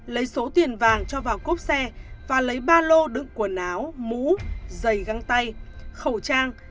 lấy số tiền vàng cho vào cốp xe và lấy ba lô đựng quần áo mũ dày găng tay khẩu trang